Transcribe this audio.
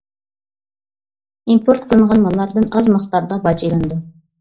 ئىمپورت قىلىنغان ماللاردىن ئاز مىقداردا باج ئېلىنىدۇ.